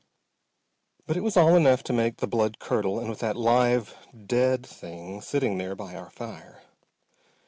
But it was all enough to make the blood curdle, with that live, dead thing sitting there by our fire.